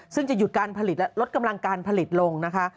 ซึ่งจะหยุดการผลิตและลดกำลังการผลิตลงนะคะ